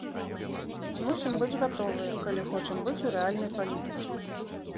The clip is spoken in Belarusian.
Мусім быць гатовыя, калі хочам быць у рэальнай палітыцы.